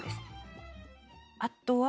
あとは。